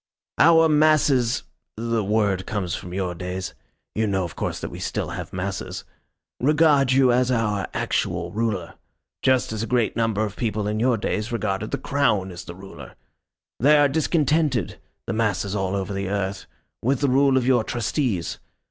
Our masses the word comes from your days you know, of course, that we still have masses regard you as our actual ruler. Just as a great number of people in your days regarded the Crown as the ruler. They are discontented the masses all over the earth with the rule of your Trustees.